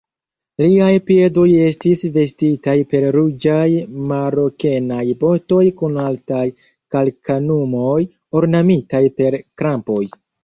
Liaj piedoj estis vestitaj per ruĝaj marokenaj botoj kun altaj kalkanumoj, ornamitaj per krampoj.